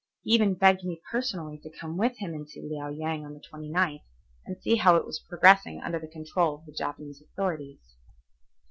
He even begged me personally to come with him into Liao Yang on the 29th and see how it was progressing under the control of the Japanese authorities.